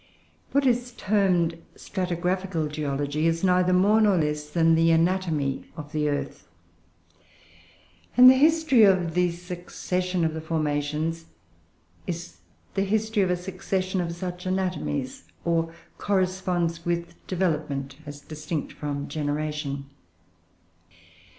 What is termed stratigraphical geology is neither more nor less than the anatomy of the earth; and the history of the succession of the formations is the history of a succession of such anatomies, or corresponds with development, as distinct from generation.